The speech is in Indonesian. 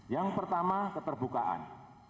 yang pertama keterbukaan